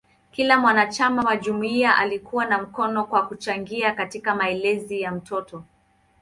Kila mwanachama wa jumuiya alikuwa na mkono kwa kuchangia katika malezi ya mtoto.